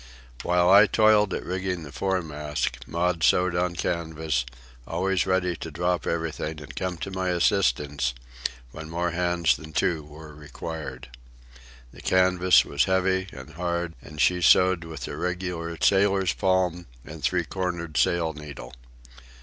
While I toiled at rigging the foremast, Maud sewed on canvas, ready always to drop everything and come to my assistance when more hands than two were required. The canvas was heavy and hard, and she sewed with the regular sailor's palm and three cornered sail needle.